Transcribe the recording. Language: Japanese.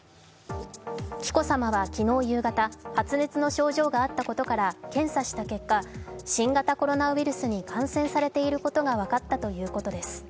紀子さまは昨日夕方発熱の症状があったことから検査した結果新型コロナウイルスに感染されていることが分かったということです。